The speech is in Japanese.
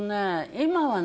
今はね